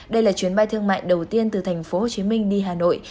đây là chuyến bay thương mại đầu tiên từ tp hcm đi hà nội